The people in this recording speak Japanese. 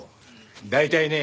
大体ねえ。